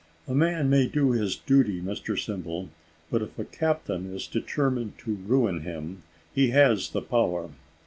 "A man may do his duty, Mr Simple; but if a captain is determined to ruin him, he has the power.